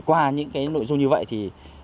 qua những nội dung như vậy thì